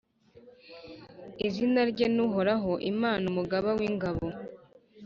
Izina rye ni Uhoraho, Imana umugaba w’ingabo.